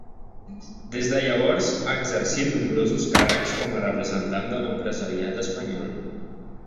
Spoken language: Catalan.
Des de llavors ha exercit nombrosos càrrecs com a representant de l'empresariat espanyol.